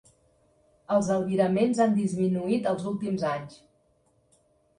Els albiraments han disminuït els últims anys.